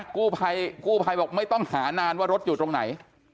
กู้ไพบอกไม่ต้องหานานว่ารถอยู่ตรงไหน